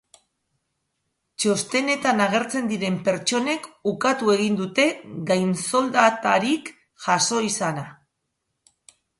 Txostenetan agertzen diren pertsonek ukatu egin dute gainsoldatarik jaso izana.